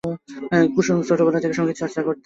কুসুম ছোটবেলা থেকে সঙ্গীত চর্চা করতেন।